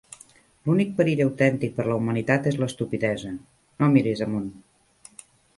L'únic perill autèntic per a la humanitat és l'estupidesa. No mires amunt!